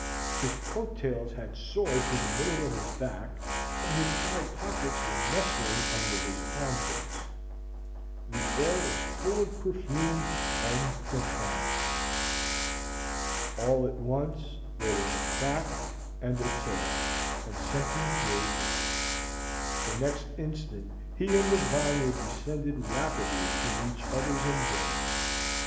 His coat tails had soared to the middle of his back, and his side pockets were nestling under his armpits. The air was full of perfume and profanity. [Illustration: The air was full of perfume and profanity.] All at once there was a crack and a tear, and something gave way. The next instant he and the vine were descending rapidly in each other's embrace.